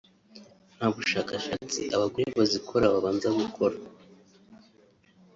Nta bushakashatsi abagore bazikora babanza gukora